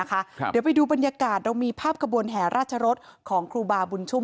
เดี๋ยวไปดูบรรยากาศเรามีภาพขบวนแห่ราชรสของครูบาบุญชุม